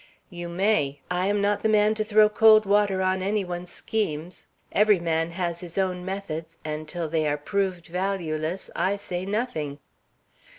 "You may. I am not the man to throw cold water on any one's schemes. Every man has his own methods, and till they are proved valueless I say nothing."